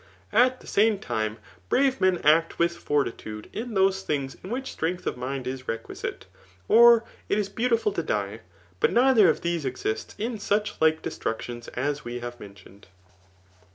• At the same time brave men act with fortitude in those thin^ ia which strength of mind is requisite, or it is beautiful to die ; but neither of these exists in such like destrut tions as we have mentioned.